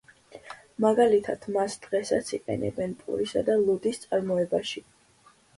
მაგალითად მას დღესაც იყენებენ პურისა და ლუდის წარმოებაში.